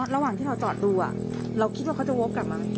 ระหว่างที่เราจอดดูเราคิดว่าเขาจะวกกลับมา